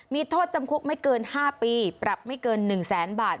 มีโทษจำคุกไม่เกิน๕ปีปรับไม่เกิน๑แสนบาท